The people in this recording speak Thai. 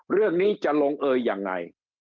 เรื่องนี้จะลงเอยยังไง